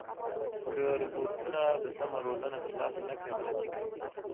که روبوټونه د سمه روزنه ترلاسه نه کړي، غلطۍ کوي.